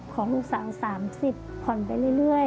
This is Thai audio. ของลูกสาว๓๐ผ่อนไปเรื่อย